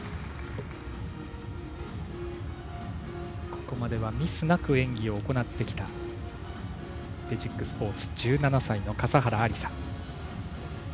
ここまではミスなく演技を行ってきたレジックスポーツ、１７歳の笠原有彩。